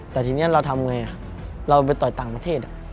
แต่ทีนี้เราทำไงเราไปต่อยต่างประเทศ